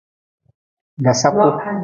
Dasaku.